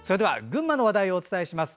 群馬の話題お伝えします。